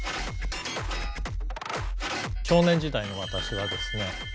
少年時代の私はですね